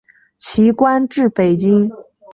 其官至北京都指挥使。